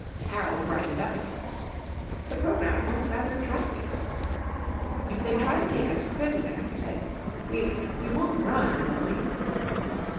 Harold brightened up again. The programme was rather attractive. "If they try to take us prisoner," he said, "we we won't run, will we?"